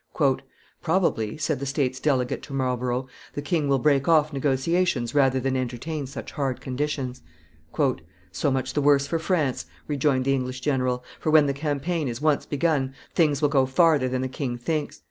"Probably," said the States' delegate to Marlborough, "the king will break off negotiations rather than entertain such hard conditions." "So much the worse for France," rejoined the English general; "for when the campaign is once begun, things will go farther than the king thinks.